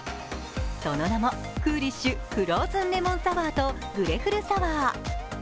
その名も、クーリッシュフローズンレモンサワーとグレフルサワー。